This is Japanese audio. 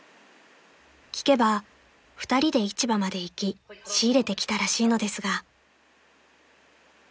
［聞けば２人で市場まで行き仕入れてきたらしいのですが］